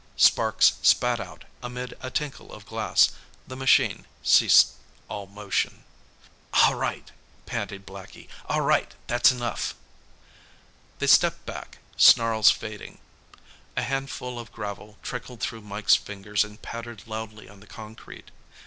Sparks spat out amid a tinkle of glass. The machine ceased all motion. "All right!" panted Blackie. "All right! That's enough!" They stepped back, snarls fading. A handful of gravel trickled through Mike's fingers and pattered loudly on the concrete.